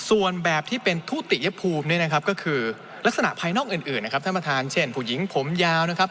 ส่วนแบบที่เป็นทุติยภูมิเนี่ยนะครับก็คือลักษณะภายนอกอื่นนะครับท่านประธานเช่นผู้หญิงผมยาวนะครับ